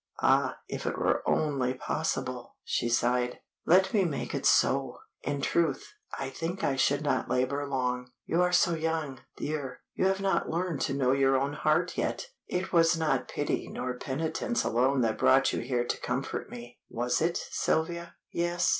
"Ah, if it were only possible!" she sighed. "Let me make it so! In truth, I think I should not labor long. You are so young, dear, you have not learned to know your own heart yet. It was not pity nor penitence alone that brought you here to comfort me. Was it, Sylvia?" "Yes.